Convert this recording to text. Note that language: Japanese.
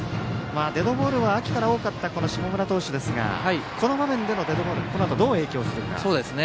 デッドボールは秋から多かった下村投手ですがこの場面でのデッドボールがこのあと、どう影響するか。